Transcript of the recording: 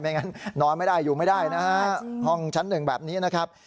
งั้นนอนไม่ได้อยู่ไม่ได้นะฮะห้องชั้นหนึ่งแบบนี้นะครับ